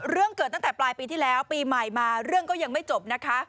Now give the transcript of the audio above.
เรื่องเกิดตั้งแต่ปลายปีที่แล้วปีใหม่มาเรื่องก็ยังไม่จบนะคะ